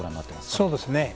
そうですね。